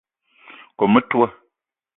Kome metoua